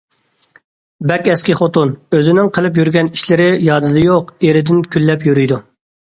بەك ئەسكى خوتۇن، ئۆزىنىڭ قىلىپ يۈرگەن ئىشلىرى يادىدا يوق، ئېرىدىن كۈنلەپ يۈرىدۇ.